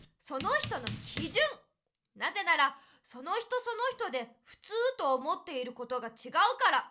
なぜならその人その人でふつうと思っていることがちがうから。